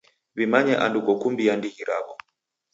W'imanye andu kokumbia ndighi raw'o.